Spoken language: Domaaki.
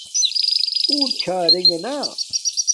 اونٹ چھا راکانا